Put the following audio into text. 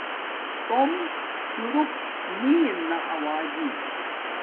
توم چورک نی ارنا ارآوجی